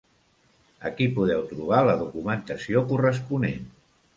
Aquí podeu trobar la documentació corresponent.